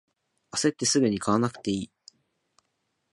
あせってすぐに買わなくていい